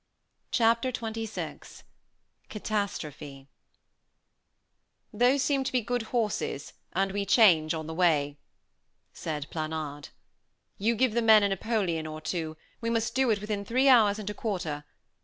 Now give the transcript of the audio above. Chapter XXVI CATASTROPHE "Those seem to be good horses, and we change on the way," said Planard. "You give the men a Napoleon or two; we must do it within three hours and a quarter.